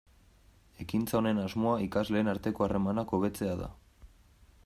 Ekintza honen asmoa ikasleen arteko harremanak hobetzea da.